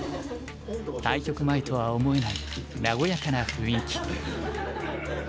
対局前とは思えない和やかな雰囲気。